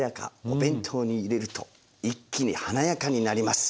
お弁当に入れると一気に華やかになります。